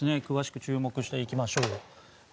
詳しく注目していきましょう。